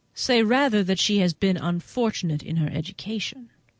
"Say rather that she has been unfortunate in her education!"